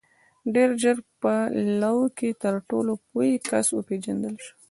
• ډېر ژر په لو کې تر ټولو پوه کس وپېژندل شو.